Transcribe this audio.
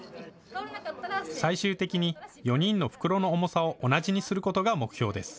最終的に４人の袋の重さを同じすることが目標です。